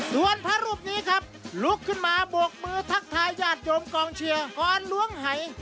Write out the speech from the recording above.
ส่วนพระรูปนี้ครับลุกขึ้นมาบวกมือทักทายญาติโยมกองเชียร์ก่อนล้วงไห่